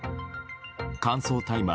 乾燥大麻